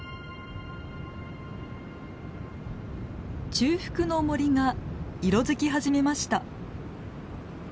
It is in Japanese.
中腹の森が色づき始めました。